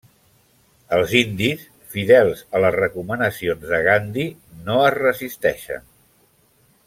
Els indis, fidels a les recomanacions de Gandhi, no es resisteixen.